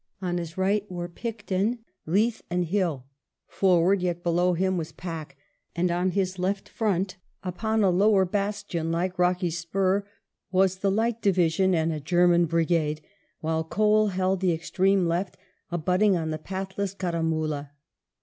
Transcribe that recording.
^ On his right were Picton, Leith, and Hill; forward, yet below him, was Pack ; and on his left front, upon a lower bastion like rocky spur, was the Light Division and a German brigade ; while Cole held the extreme left, abutting on the pathless Caramula.